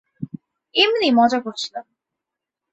এমনিই মজা করছিলাম!